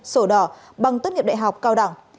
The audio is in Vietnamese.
sổ đỏ bằng tất nghiệp đại học cao đẳng